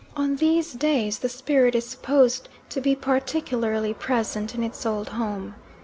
On these days the spirit is supposed to be particularly present in its old home.